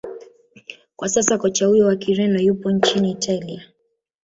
kwa sasa kocha huyo wa kireno yupo nchini italia